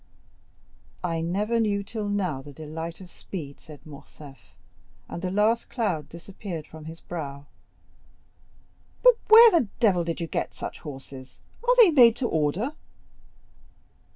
"I never knew till now the delight of speed," said Morcerf, and the last cloud disappeared from his brow; "but where the devil do you get such horses? Are they made to order?"